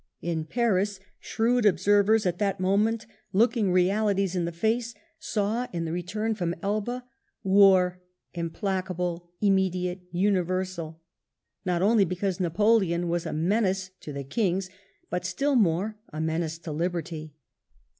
In Paris shrewd ob servers at that moment, looking realities in the face, saw in the return from Elba "war — implacable, immediate, imiversal," not only because Napoleon was a menace to " the Kings," but still more a menace to liberty.